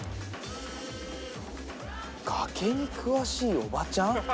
「崖に詳しいおばちゃん」？